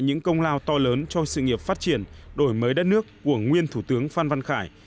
những công lao to lớn cho sự nghiệp phát triển đổi mới đất nước của nguyên thủ tướng phan văn khải